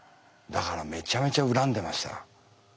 だからめちゃめちゃ恨んでました。